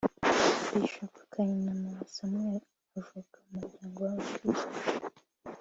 Bishop Kayinamura Samuel avuka mu muryango w’abakristu